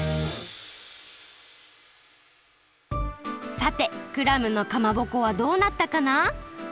さてクラムのかまぼこはどうなったかな？